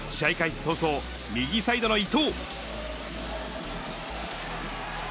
早々、右サイドの伊東。